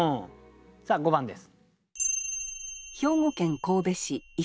さあ５番です。